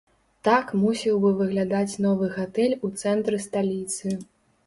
Так мусіў бы выглядаць новы гатэль у цэнтры сталіцы.